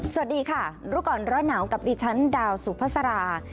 สวัสดีค่ะรู้ก่อนร้อนหนาวกับดิฉันดาวสุภาษา